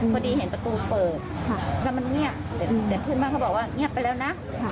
พอดีเห็นประตูเปิดแล้วมันเงียบแต่เพื่อนบ้านเขาบอกว่าเงียบไปแล้วนะ